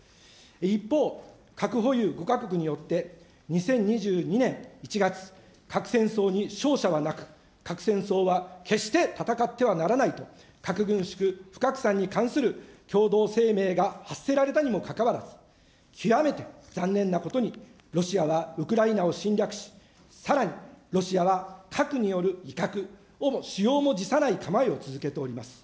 一方、核保有５か国によって２０２２年１月、核戦争に勝者はなく、核戦争は決して戦ってはならないと、核軍縮・不拡散に関する共同声明が発せられたにもかかわらず、極めて残念なことにロシアはウクライナ侵略し、さらに、ロシアは核による威嚇をも、使用をも辞さない考えを続けております。